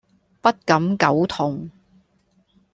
不敢苟同